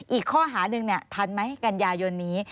อีกข้อหาหนึ่งทันไหมกันยายนนี้